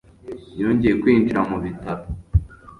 Yongeye kwinjira mu bitaro